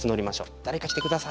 誰か来て下さい！